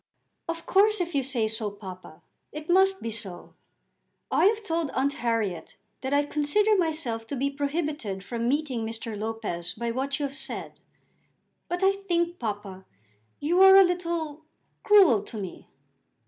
"Of course, if you say so, papa, it must be so. I have told Aunt Harriet that I consider myself to be prohibited from meeting Mr. Lopez by what you have said; but I think, papa, you are a little cruel to me."